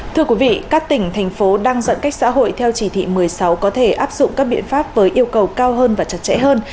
thưa quý vị các tỉnh thành phố đang giãn cách xã hội theo chỉ thị một mươi sáu có thể áp dụng các biện pháp với yêu cầu cao hơn và chặt chẽ hơn